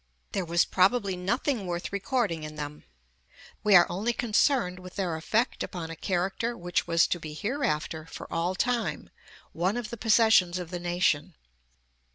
There was probably nothing worth recording in them; we are only concerned with their effect upon a character which was to be hereafter for all time one of the possessions of the nation.